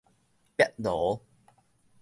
煏爐